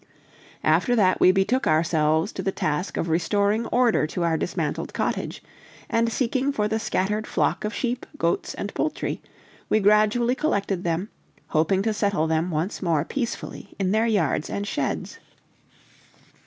After that we betook ourselves to the task of restoring order to our dismantled cottage; and seeking for the scattered flock of sheep, goats, and poultry, we gradually collected them, hoping to settle them once more peacefully, in their yards and sheds.